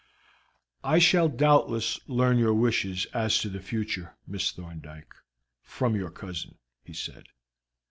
"I shall doubtless learn your wishes as to the future, Miss Thorndyke, from your cousin," he said.